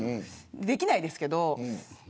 できないですけど。